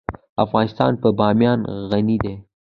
افغانستان په بامیان غني دی.